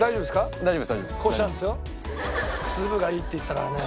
「粒がいい」って言ってたからね。